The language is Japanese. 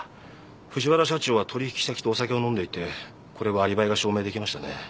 藤原社長は取引先とお酒を飲んでいてこれはアリバイが証明できましたね。